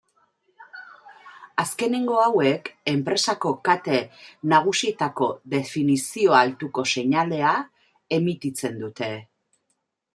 Azkenengo hauek enpresako kate nagusietako definizio altuko seinalea emititzen dute.